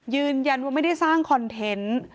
ยืนยันว่าไม่ได้สร้างคอนเทนต์